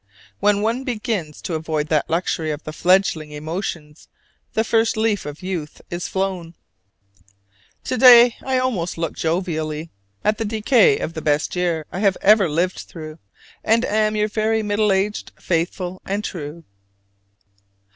When one begins to avoid that luxury of the fledgling emotions, the first leaf of youth is flown. To day I look almost jovially at the decay of the best year I have ever lived through, and am your very middle aged faithful and true.